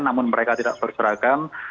namun mereka tidak berseragam